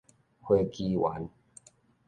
花枝丸